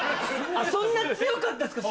そんな強かったっすか？